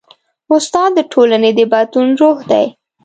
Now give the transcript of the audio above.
استاد د ټولنې د بدلون روح دی.